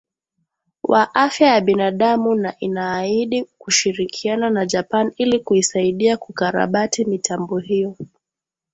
wa afya ya binadamu na inaahidi kushirikiana na japan ili kuisaidia kukarabati mitambo hiyo